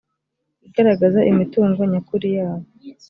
igaragaza imitungo nyakuri yabo